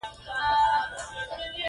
زه له روح الله سره په عرش کې پروازونه کوم